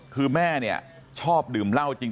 คือแม่ชอบดื่มเหล้าจริง